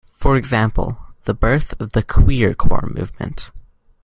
For example, the birth of the Queercore movement.